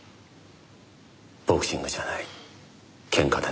ボクシングじゃない喧嘩でね。